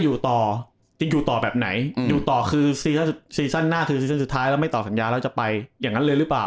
อยู่ต่อจะอยู่ต่อแบบไหนอยู่ต่อคือซีซั่นหน้าคือซีซั่นสุดท้ายแล้วไม่ต่อสัญญาแล้วจะไปอย่างนั้นเลยหรือเปล่า